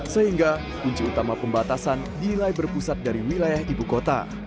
sehingga kunci utama pembatasan dinilai berpusat dari wilayah ibu kota